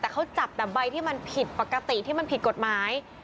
แต่เขาจับแต่ใบที่มันผิดปกติที่มันผิดกฎหมาย